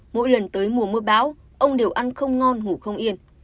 mỗi lần tới mùa mưa bão ông đều ăn không ngon ngủ không yên